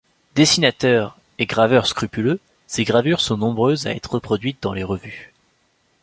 Dessinateur et graveur scrupuleux, ses gravures sont nombreuses à être reproduites dans les revues.